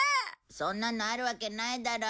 そんなのあるわけないだろ。